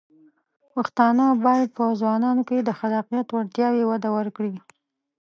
پښتانه بايد په ځوانانو کې د خلاقیت وړتیاوې وده ورکړي.